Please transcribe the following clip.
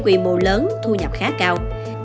quy mô lớn thu nhập khá cao